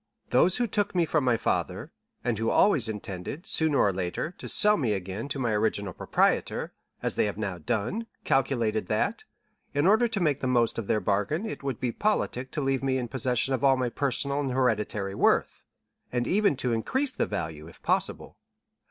Those who took me from my father, and who always intended, sooner or later, to sell me again to my original proprietor, as they have now done, calculated that, in order to make the most of their bargain, it would be politic to leave me in possession of all my personal and hereditary worth, and even to increase the value, if possible.